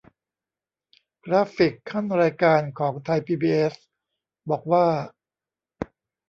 กราฟิกคั่นรายการของไทยพีบีเอส บอกว่า